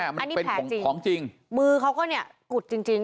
เพราะมันแผลจริงอันนี้แผลจริงมือเขาก็กุดจริง